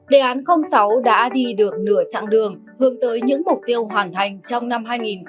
đề án sáu đã đi được nửa chặng đường hướng tới những mục tiêu hoàn thành trong năm hai nghìn hai mươi